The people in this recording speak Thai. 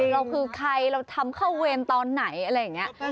เราคือใครเราทำเข้าเวรตอนไหนอะไรอย่างนี้